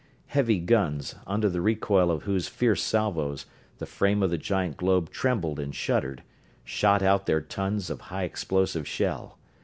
Heavy guns, under the recoil of whose fierce salvos, the frame of the giant globe trembled and shuddered, shot out their tons of high explosive shell.